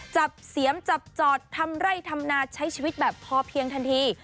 เสียมจับจอดทำไร่ทำนาใช้ชีวิตแบบพอเพียงทันที